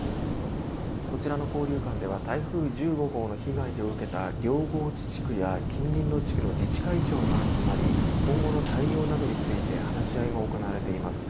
こちらの公民館では台風１５号の被害を受けた両河内地区や近隣の地区の自治会長が集まり今後の対応などについて話し合いが行われています。